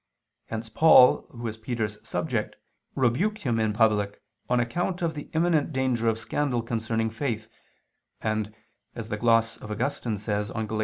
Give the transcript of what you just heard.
Hence Paul, who was Peter's subject, rebuked him in public, on account of the imminent danger of scandal concerning faith, and, as the gloss of Augustine says on Gal.